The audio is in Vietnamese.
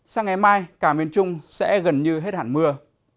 sang ngày mai cả miền trung sẽ gần như hết hẳn mưa